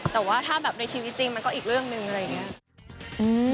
แต่ว่าถ้าแบบในชีวิตจริงมันก็อีกเรื่องหนึ่งอะไรอย่างนี้